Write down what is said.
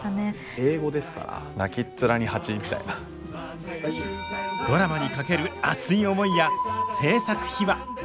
英語ですからドラマにかける熱い思いや制作秘話。